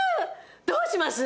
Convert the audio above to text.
どうします？